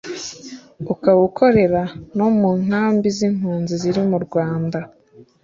ukaba ukorera no mu nkambi z’impunzi ziri mu Rwanda